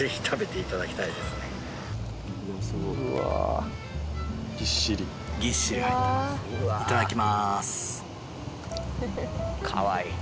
いただきます。